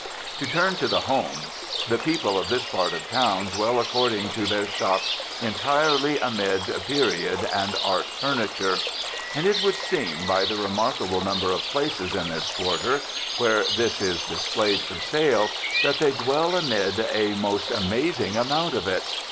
To turn to the home. The people of this part of town dwell, according to their shops, entirely amid "period and art furniture." And it would seem, by the remarkable number of places in this quarter where this is displayed for sale, that they dwell amid a most amazing amount of it.